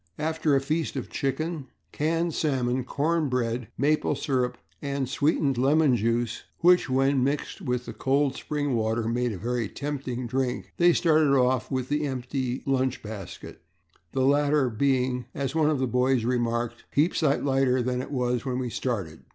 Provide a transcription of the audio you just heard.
After a feast of chicken, canned salmon, cornbread, maple syrup, and sweetened lemon juice, which, when mixed with cold spring water made a very tempting drink, they started off with the empty lunch basket, the latter being, as one of the boys remarked, "a heap sight lighter than it was when we started."